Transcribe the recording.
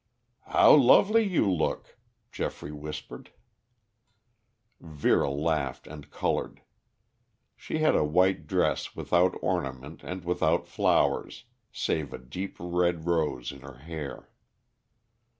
"How lovely you look," Geoffrey whispered. Vera laughed and colored. She had a white dress without ornament and without flowers, save a deep red rose in her hair.